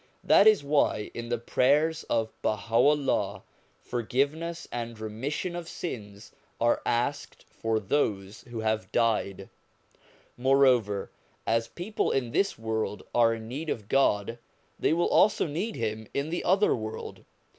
That is why in the prayers of Baha'u'llah forgiveness and remission of sins are asked for those who have died. Moreover, as people in this world are in need of God, they will also need Him in the other world.